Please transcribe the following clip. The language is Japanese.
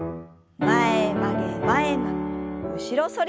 前曲げ前曲げ後ろ反り。